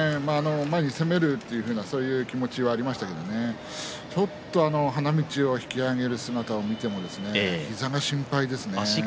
前に攻めるというか、そういう気持ちがありましたけれどもちょっと花道を引き揚げる姿を見ても膝が心配ですね。